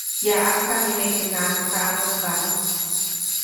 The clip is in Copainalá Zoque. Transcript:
Yaʼajka nimekedenaʼajk kaʼnämba.